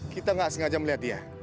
kita gak sengaja melihat dia